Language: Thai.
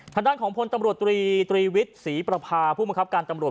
ทางด้านของพลตำรวจตรีตรีวิทย์ศรีประพาผู้มังคับการตำรวจ